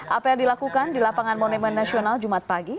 apel dilakukan di lapangan monumen nasional jumat pagi